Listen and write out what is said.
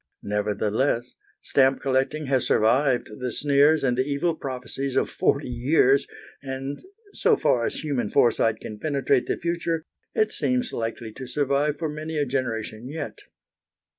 Nevertheless, stamp collecting has survived the sneers and the evil prophecies of forty years, and so far as human foresight can penetrate the future, it seems likely to survive for many a generation yet.